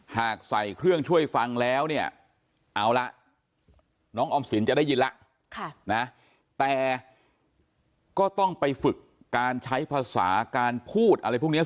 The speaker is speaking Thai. หากใส่เครื่องช่วยฟังแล้วเนี่ยเอาละน้องออมสินจะได้ยินแล้วนะแต่ก็ต้องไปฝึกการใช้ภาษาการพูดอะไรพวกนี้